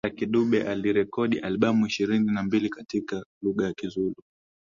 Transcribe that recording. Lucky Dube Alirekodi albamu ishirini na mbili katika lugha ya Kizulu